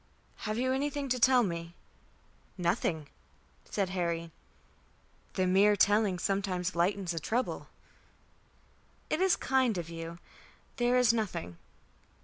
Have you anything to tell me?" "Nothing," said Harry. "The mere telling sometimes lightens a trouble." "It is kind of you. There is nothing."